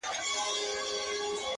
o د پریان لوري؛ د هرات او ګندارا لوري؛